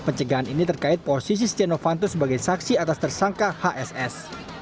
pencegahan ini terkait posisi setia novanto sebagai saksi atas tersangka hss